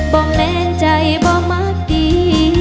บ่แรงใจบ่มักดี